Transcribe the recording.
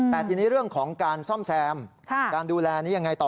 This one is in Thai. แต่ทีนี้เรื่องของการซ่อมแซมการดูแลนี้ยังไงต่อ